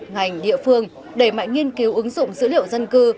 ngành địa phương đẩy mạnh nghiên cứu ứng dụng dữ liệu dân cư